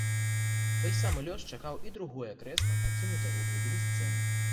Той самы лёс чакаў і другое крэсла, пакінутае ў глыбіні сцэны.